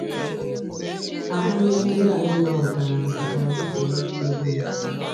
Ahụmịhe ndị a niile ọ nwetara metụtara usoro iti egwu ya.